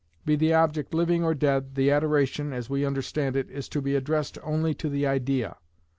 Be the object living or dead, the adoration (as we understand it) is to be addressed only to the idea.